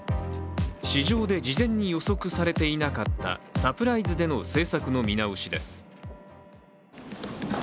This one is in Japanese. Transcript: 市場で事前に予測されていなかったサプライズでの政策の見直しです。